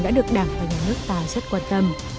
đã được đảng và nhà nước ta rất quan tâm